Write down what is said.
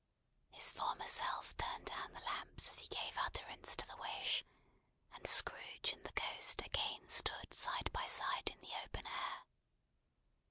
His former self turned down the lamps as he gave utterance to the wish; and Scrooge and the Ghost again stood side by side in the open air.